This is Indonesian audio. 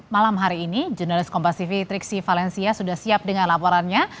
malam hari ini jurnalis kompativitri triksi valencia sudah siap dengan laporannya